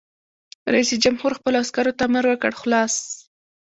رئیس جمهور خپلو عسکرو ته امر وکړ؛ خلاص!